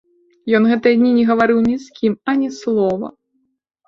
Ён гэтыя дні не гаварыў ні з кім ані слова.